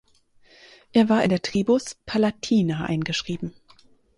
Er war in der Tribus "Palatina" eingeschrieben.